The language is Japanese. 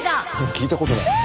聞いたことない。